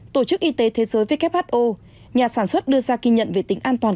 tổ chức y tế thế giới who nhà sản xuất đưa ra kinh nhận về tính an toàn